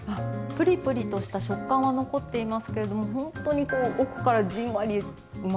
ぷりぷりとした食感は残っていますけれどもほんとにこう奥からじんわりうまみがしみてきます。